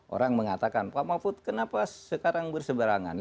orang mengatakan pak mahfud kenapa sekarang berseberangan